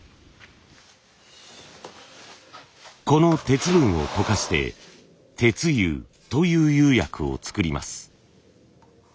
この鉄分を溶かして「鉄釉」という釉薬を作ります。